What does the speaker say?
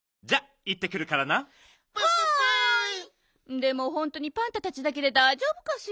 でもほんとにパンタたちだけでだいじょうぶかしら？